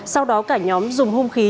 sau đó cả nhóm dùng hung khí